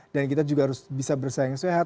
dan kita juga harus bisa bersaing sehat